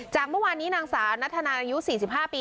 จากเมื่อวานนี้นางสาวนัฐนายุ๔๕ปี